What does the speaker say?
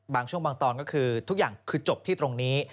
บางช่วงบางตอนก็คือทุกอย่างคือจบที่ตรงนี้